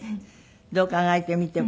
どう考えてみても。